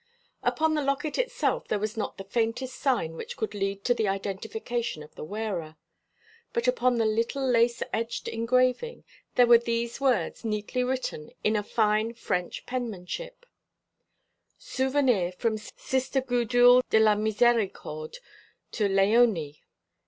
Upon the locket itself there was not the faintest sign which could lead to the identification of the wearer; but upon the little lace edged engraving there were these words neatly written in a fine French penmanship: "Souvenir from Sister Gudule de la Miséricorde to Léonie.